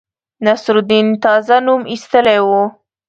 نصرالدین تازه نوم ایستلی وو.